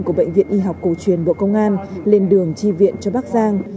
của bệnh viện y học cổ truyền bộ công an lên đường chi viện cho bắc giang